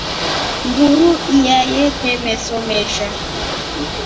Mburu iya yete meso mesha.